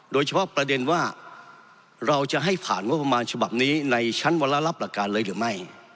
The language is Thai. โดยเฉพาะประเด็นว่าเราจะให้ผ่านงบประมาณฉบับนี้ในชั้นวันละรับหลักการเลยหรือไม่